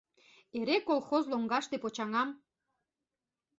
Эре колхоз лоҥгаште почаҥам...